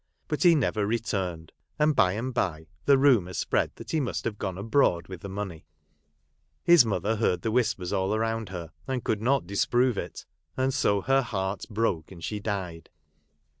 But he never returned ; and by aud by the rumour spread that he must have gone abroad with the money ; his mother heard the whispers all around her, and could not disprove it ; and so her heart broke, and she died.